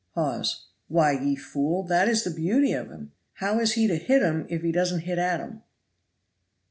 Hawes. Why, ye fool, that is the beauty of him. How is he to hit 'em if he doesn't hit at 'em?